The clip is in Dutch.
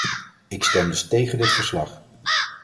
Ik stem dus tegen dit verslag.